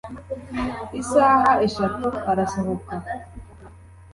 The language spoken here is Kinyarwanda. Isaha eshatu arasohoka,